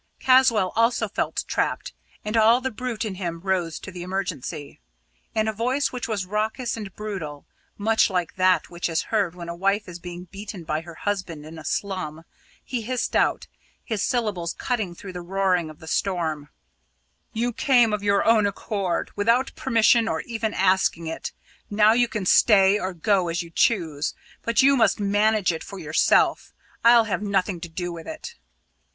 Caswall also felt trapped, and all the brute in him rose to the emergency. In a voice which was raucous and brutal much like that which is heard when a wife is being beaten by her husband in a slum he hissed out, his syllables cutting through the roaring of the storm: "You came of your own accord without permission, or even asking it. Now you can stay or go as you choose. But you must manage it for yourself; I'll have nothing to do with it."